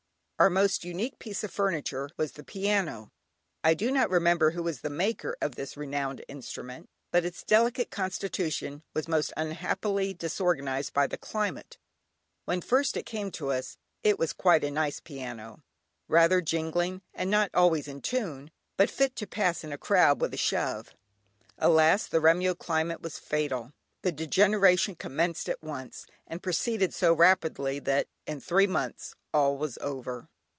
Our most unique piece of furniture was the piano. I do not remember who was the maker of this renowned instrument, but its delicate constitution was most unhappily disorganised by the climate. When first it came to us it was quite a nice piano, rather jingling, and not always in tune, but "fit to pass in a crowd with a shove." Alas! the Remyo climate was fatal; the degeneration commenced at once, and proceeded so rapidly, that in three months all was over.